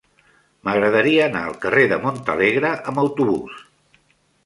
M'agradaria anar al carrer de Montalegre amb autobús.